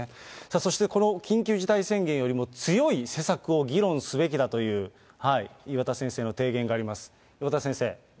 そして、この緊急事態宣言よりも強い施策を議論すべきだという、岩田先生の提言があります。